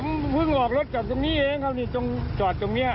ผมเพิ่งออกรถจอดตรงนี้เองครับนี่ตรงจอดตรงนี้